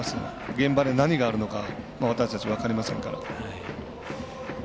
現場で何があるのか私たち、分かりませんから。